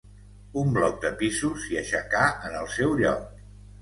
Un bloc de pisos s'hi aixecà en el seu lloc.